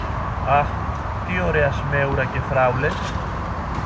Αχ, τι ωραία σμέουρα και φράουλες!